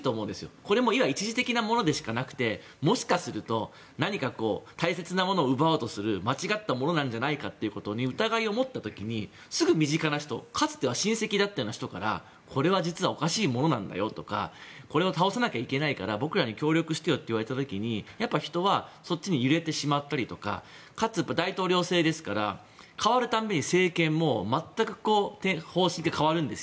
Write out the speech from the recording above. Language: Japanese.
これも一時的なものでしかなくてもしかすると何か大切なものを奪おうとする間違ったものなんじゃないかということに疑いを持った時にすぐ身近な人かつては親戚だったような人からこれは実はおかしいものなんだよとかこれを倒さなきゃいけないから僕らに協力してよと言われた時に人はそっちに揺れてしまったりかつ、大統領制ですから代わる度に政権も全く方針も変わるんです。